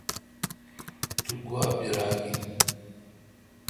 تو گوا براگ این